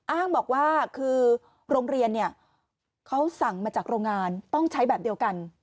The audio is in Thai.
อ้างบอกว่าคือโรงเรียนเนี่ยเขาสั่งมาจากโรงงานต้องใช้แบบเดียวกัน